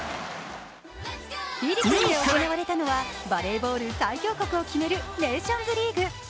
フィリピンで行われたのは、バレーボール最強国を決めるネーションズリーグ。